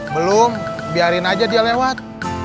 belum biarin aja dia lewat